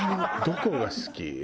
どこが好き？